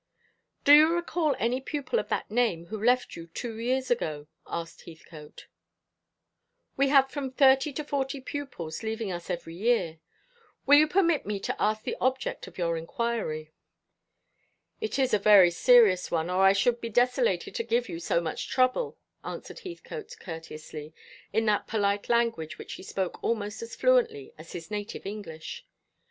"Do you recall any pupil of that name who left you two years ago?" asked Heathcote. "We have from thirty to forty pupils leaving us every year. Will you permit me to ask the object of your inquiry?" "It is a very serious one, or I should be desolated to give you so much trouble," answered Heathcote courteously, in that polite language which he spoke almost as fluently as his native English.